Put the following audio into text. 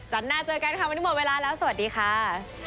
หน้าเจอกันค่ะวันนี้หมดเวลาแล้วสวัสดีค่ะ